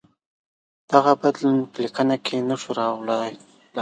دغه بدلون په لیکنه کې نه شو راوړلای.